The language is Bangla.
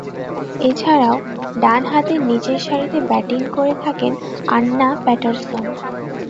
এছাড়াও, ডানহাতে নিচেরসারিতে ব্যাটিং করে থাকেন আন্না প্যাটারসন।